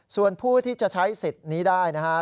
ส่วนผู้ที่จะใช้สิทธิ์นี้ได้นะครับ